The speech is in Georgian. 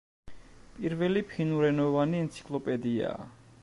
პირველი ფინურენოვანი ენციკლოპედიაა.